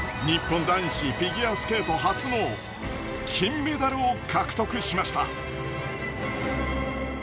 日本男子フィギュアスケート初の金メダルを獲得しました。